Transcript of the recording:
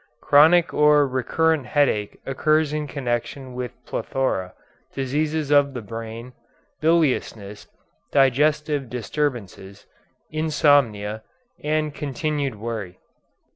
Chronic or recurrent headache occurs in connection with plethora, diseases of the brain, biliousness, digestive disturbances, insomnia, and continued worry.